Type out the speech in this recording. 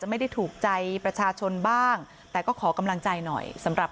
ไม่ได้ถูกใจประชาชนบ้างแต่ก็ขอกำลังใจหน่อยสำหรับ